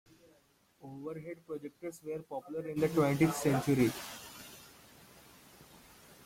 Overhead projectors were popular in the twentieth century.